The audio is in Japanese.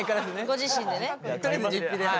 ご自身でね。